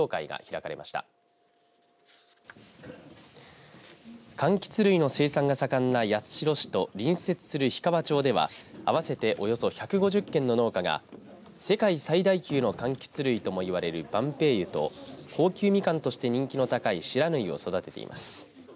かんきつ類の生産が盛んな八代市と隣接する氷川町では合わせておよそ１５０軒の農家が世界最大級のかんきつ類ともいわれるばんぺいゆと高級みかんとして人気の高い不知火を育てています。